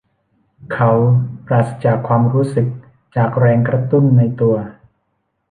เขาปราศจากความรู้สึกจากแรงกระตุ้นในตัว